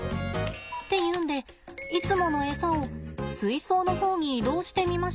っていうんでいつものエサを水槽の方に移動してみました。